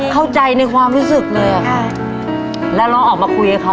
เข้าใจในความรู้สึกเลยอ่ะค่ะแล้วเราออกมาคุยกับเขา